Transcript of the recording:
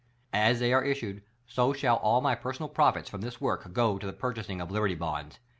As they are issued so shall all my personal profits from this work go to the purchasing of Li'berty Bonds.